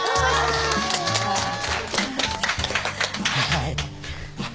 はい。